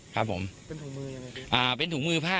ค่ะ